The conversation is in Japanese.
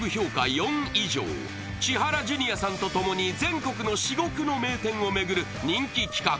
４以上千原ジュニアさんと共に全国の至極の名店を巡る人気企画